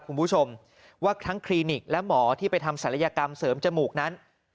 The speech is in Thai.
คุณผู้ชมว่าทั้งคลินิกและหมอที่ไปทำศัลยกรรมเสริมจมูกนั้น